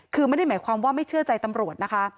คือไม่ได้หมายความว่าไม่เชื่อใจตำรวจนะคะ